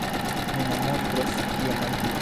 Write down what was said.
Mi ne montros tion al vi